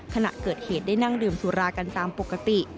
ขณะเกิดเหตุได้นั่งดื่มสุรากันตามปกติ